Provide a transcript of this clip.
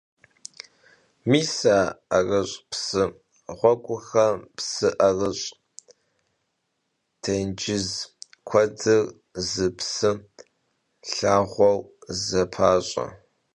Mis a 'erış' psı ğueguxem psı 'erış', têncız kuedır zı psı lhağueu zepaş'e.